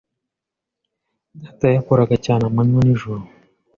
Data yakoraga cyane amanywa n'ijoro.